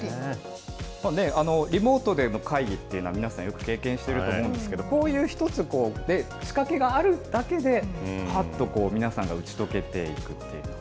リモートでの会議というのは皆さんよく経験してると思うんですけれども、こういう一つ、仕掛けがあるだけで、ぱっと皆さんが打ち解けていくっていう。